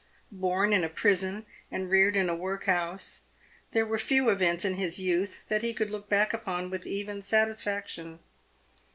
Born in a prison, and reared in a workhouse, there were few events in his youth that he could look back upon with even satisfaction.